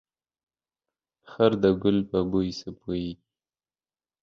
خر ده ګل په بوی څه پوهيږي.